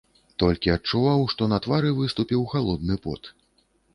Толькі адчуваў, што на твары выступіў халодны пот.